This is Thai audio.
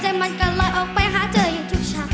ใจมันก็ลอยออกไปหาเจออยู่ทุกฉาก